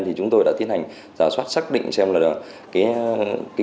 thì chúng tôi đã tiến hành giả soát xác định xem là công dân này